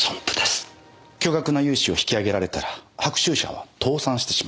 巨額な融資を引き上げられたら白秋社は倒産してしまう。